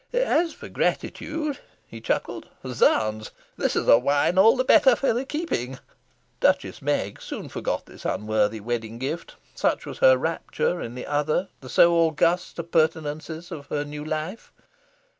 'As for gratitude,' he chuckled, 'zounds! that is a wine all the better for the keeping.' Duchess Meg soon forgot this unworthy wedding gift, such was her rapture in the other, the so august, appurtenances of her new life.